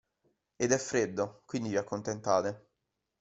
Ed è freddo, quindi vi accontentate.